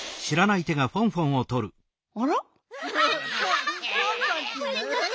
あら？